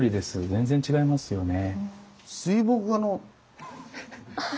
全然違いますよね。